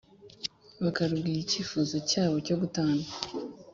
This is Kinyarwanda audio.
bakarubwira icyifuzo cyabo cyo gutana